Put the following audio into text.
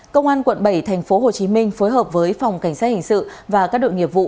công an quận bảy tp hcm phối hợp với phòng cảnh sát hình sự và các đội nghiệp vụ